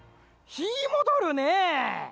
ひーもどるねぇ。